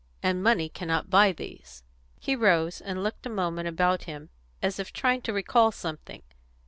And money cannot buy these." He rose, and looked a moment about him, as if trying to recall something.